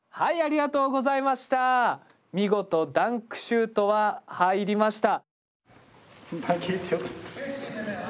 見事ダンクシュートは入りました。